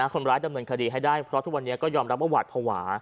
คนร้ายดำเนินคดีให้ได้เพราะทุกวันนี้ก็ยอมรับว่าหวาดภาวะ